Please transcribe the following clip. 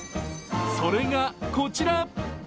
それがこちら。